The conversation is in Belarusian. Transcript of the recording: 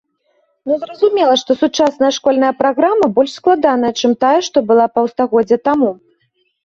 Ну, зразумела, што сучасная школьная праграма больш складаная, чым тая, што была паўстагоддзя таму!